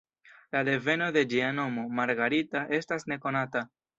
La deveno de ĝia nomo, ""Margarita"", estas nekonata.